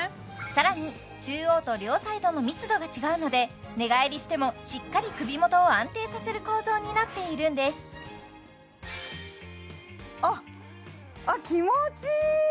さらに中央と両サイドの密度が違うので寝返りしてもしっかり首元を安定させる構造になっているんですあっあっ